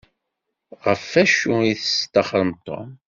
Ɣef acu i testaxṛem Tom?